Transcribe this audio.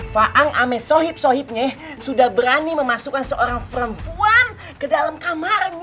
faang ame sohib sohibnya sudah berani memasukkan seorang perempuan ke dalam kamarnya